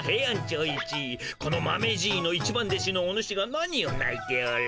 このマメじーの一番弟子のおぬしが何をないておる？